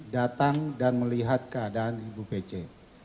datang dan melihat keadaan ibu pece